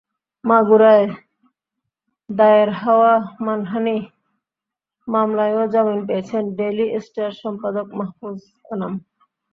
মাগুরায় দায়ের হওয়া মানহানি মামলায়ও জামিন পেয়েছেন ডেইলি স্টার সম্পাদক মাহ্ফুজ আনাম।